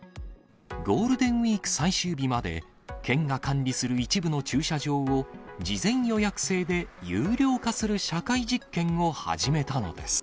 ゴールデンウィーク最終日まで県が管理する一部の駐車場を事前予約制で有料化する社会実験を始めたのです。